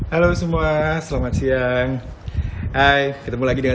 halo semua selamat siang